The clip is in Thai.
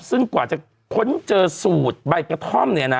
ซึ่งกว่าจะค้นเจอสูตรใบกระท่อมเนี่ยนะ